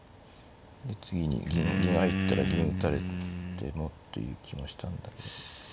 次に銀入ったら銀打たれてもっていう気もしたんだけど。